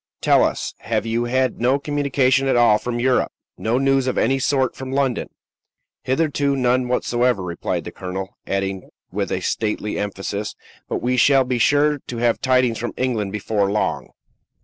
Tell us, have you had no communication at all from Europe? no news of any sort from London?" "Hitherto, none whatever," replied the colonel; adding with a stately emphasis, "but we shall be sure to have tidings from England before long."